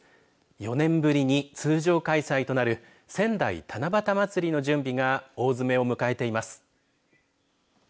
４年ぶりに通常開催となる仙台七夕まつりの準備が大詰めを迎えています。